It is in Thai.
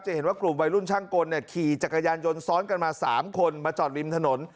เห็นว่ากลุ่มวัยรุ่นช่างกลขี่จักรยานยนต์ซ้อนกันมา๓คนมาจอดริมถนน